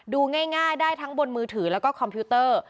ดูง่ายได้ทั้งบนมือถือแล้วก็คอมพิวเตอร์